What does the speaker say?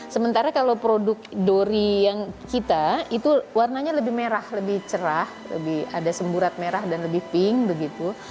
sementara kalau produk dori yang kita itu warnanya lebih merah lebih cerah lebih ada semburat merah dan lebih pink begitu